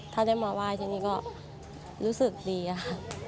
ถ้าได้มาไหว้ที่นี่ก็รู้สึกดีค่ะ